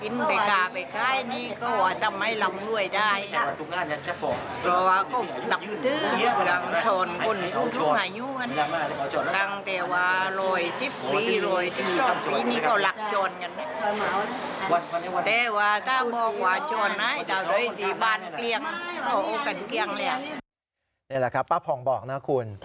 นี่แหละครับป้าผ่องบอกนะคุณ